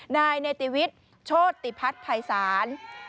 นายเนติวิทย์โชติพัฒน์ภัยศาล